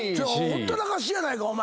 ほったらかしやないかお前。